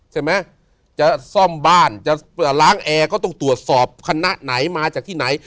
ใช่ไหมจะซ่อมบ้านจะล้างแอร์ก็ต้องตรวจสอบคณะไหนมาจากที่ไหน